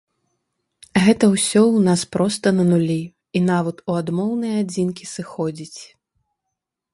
Гэта ўсё ў нас проста на нулі, і нават у адмоўныя адзінкі сыходзіць.